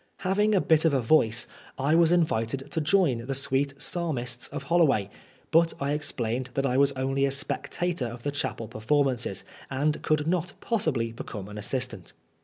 *' Having a bit of a voice, I was invited to join the sweet psalmists of Holloway ; but I explained that I was only a spectator of the chapel performances, and could not possibly become an assistant.